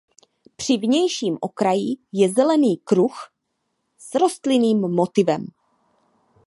Při vnějším okraji je zelený kruh s rostlinným motivem.